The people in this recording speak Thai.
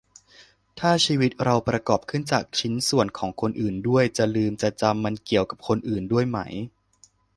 ถ้าชีวิตเราประกอบขึ้นจากชิ้นส่วนของคนอื่นด้วย จะลืมจะจำมันเกี่ยวกับคนอื่นด้วยไหม